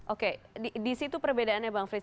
oke di situ perbedaannya bang frits